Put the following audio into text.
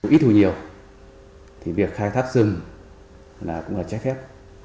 ít hù nhiều thì việc khai thác rừng cũng là trái phép